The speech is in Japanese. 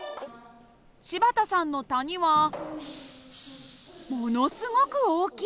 柴田さんの谷はものすごく大きい。